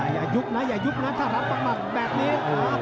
อย่ายุบนะอย่ายุบนะถ้ารับมากแบบนี้